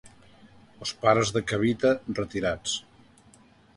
Els pares de Kavita, retirats.